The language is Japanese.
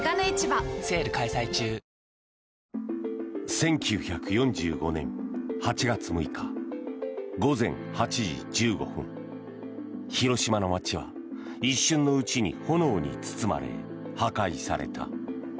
１９４５年８月６日午前８時１５分広島の街は一瞬のうちに炎に包まれ、破壊された。